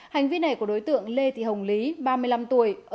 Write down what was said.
hành vi này của đối tượng lê thị hồng lý ba mươi năm tuổi ở bắc tử liêm thành phố hà nội